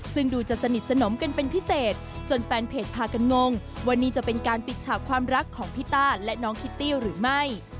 ซึ่งดูจะสนิทสนมกันเป็นพิเศษจนแฟนเพจพากันงงว่านี่จะเป็นการปิดฉากความรักของพี่ต้าและน้องคิตตี้หรือไม่